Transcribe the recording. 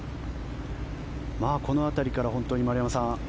この辺りから丸山さん